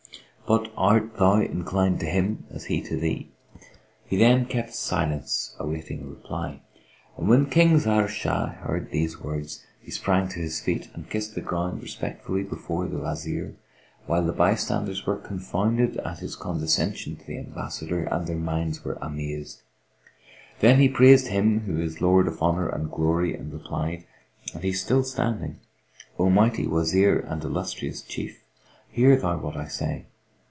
But art thou inclined to him as he to thee?" He then kept silence, awaiting a reply. When King Zahr Shah heard these words, he sprang to his feet and kissed the ground respectfully before the Wazir, while the bystanders were confounded at his condescension to the ambassador and their minds were amazed. Then he praised Him who is the Lord of Honour and Glory and replied (and he still standing), "O mighty Wazir and illustrious Chief; hear thou what I say!